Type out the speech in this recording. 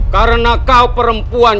karena kau perempuan